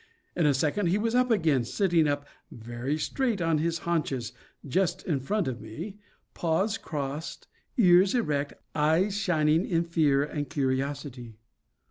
In a second he was up again, sitting up very straight on his haunches just in front of me, paws crossed, ears erect, eyes shining in fear and curiosity.